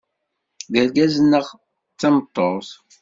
D argaz neɣ d tameṭṭut?